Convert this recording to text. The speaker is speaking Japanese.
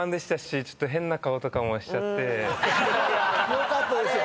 良かったですよ。